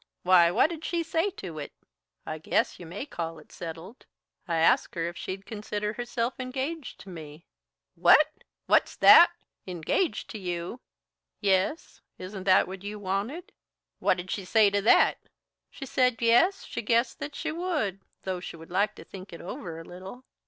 Why, what did she say to it?" "I guess you may call it settled. I asked her if she'd consider herself engaged to me " "What? What's that? Engaged to you?" "Yes; isn't that what you wanted?" "What did she say to that?" "She said yes, she guessed that she would, though she would like to think it over a little."